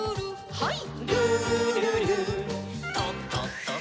はい。